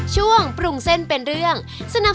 สวัสดีครับ